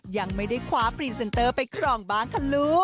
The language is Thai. ยังไม่ได้คว้าพรีเซนเตอร์ไปครองบ้านค่ะลูก